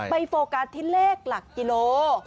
โฟกัสที่เลขหลักกิโล